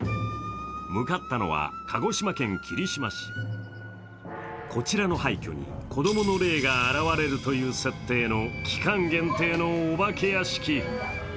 向かったのは鹿児島県霧島市、こちらの廃虚に子供の霊が現れるという設定の期間限定のお化け屋敷。